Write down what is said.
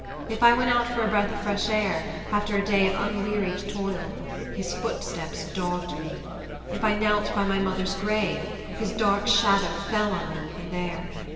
If I went out for a breath of fresh air, after a day of unwearied toil, his footsteps dogged me. If I knelt by my mother's grave, his dark shadow fell on me even there.